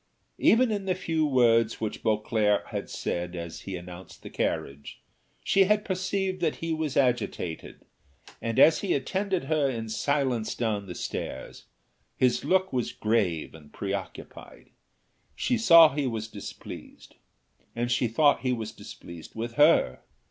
Even in the few words which Beauclerc had said as he announced the carriage, she had perceived that he was agitated, and, as he attended her in silence down the stairs, his look was grave and pre occupied; she saw he was displeased, and she thought he was displeased with her.